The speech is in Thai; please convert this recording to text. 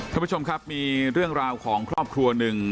ท่านผู้ชมครับมีเรื่องราวของครอบครัวหนึ่ง